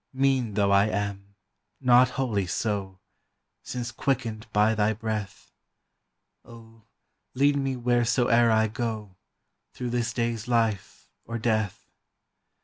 Mean though I am, not wholly so, Since quickened by thy breath; O, lead me wheresoe'er I go, Through this day's life or death!